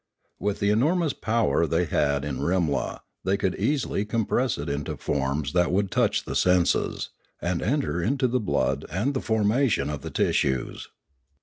With the enormous power they had in Rimla they could easily compress it into forms that would touch the senses, and enter into the blood and the formation of the tissues.